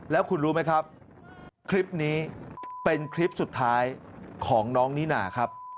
แล้วคุณรู้ไหมครับคลิปนี้เป็นคลิปสุดท้ายของน้องนิน่าครับ